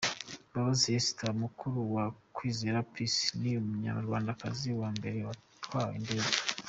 Mbabazi Esther mukuru wa Kwizera Peace, ni umunyarwandakazi wa mbere watwaye indege.